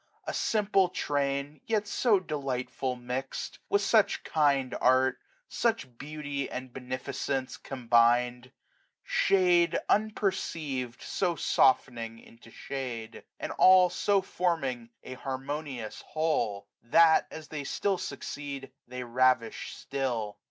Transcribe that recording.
a simple train. Yet so delightful mixM, with such kind art. Such beauty and beneficence combined ; Shade, unperceiv'd, so softening into shade; £5 And all so forming an harmonious whole ; That, as they still succeed, they ravish still.